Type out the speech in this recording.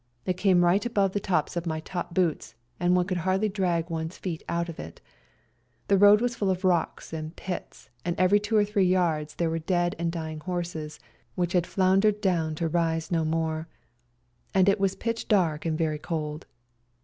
It came right above the tops of my top boots, and one could hardly drag one's feet out of it. The road was full of rocks and pits, and every two or three yards there were dead and dying horses which had floundered down ELBASAN 167 to rise no more ; and it was pitch dark and very cold.